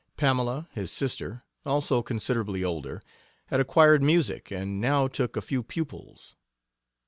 Pamela, his sister; also considerably older, had acquired music, and now took a few pupils.